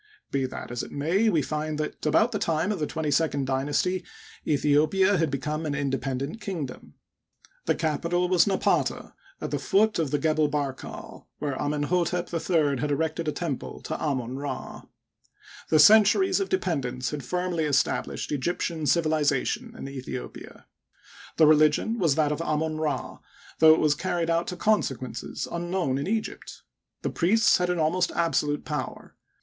Be that as it may, we find that, about the time of the twenty second dynasty, Aethiopia had become an independent kingdom. The capital was Napata, at the foot of the Gebel Barkal, where Amenhotep III had erected a temple to Amon Ra. The centuries of dependence had firmly established Egyptian civilization in Aethiopia. The religion was that of Amon Ra, though it was carried out to consequences unknown in Egypt. The priests had an almost absolute power.